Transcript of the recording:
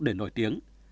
để nổi tiếng